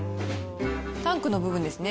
タンクの部分ですね。